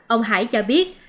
ông hải cho biết